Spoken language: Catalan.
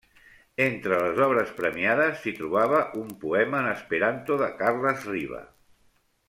Entre les obres premiades, s'hi trobava un poema en esperanto de Carles Riba.